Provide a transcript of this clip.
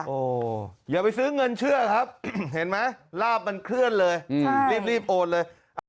โอ้โหอย่าไปซื้อเงินเชื่อครับเห็นไหมลาบมันเคลื่อนเลยรีบโอนเลย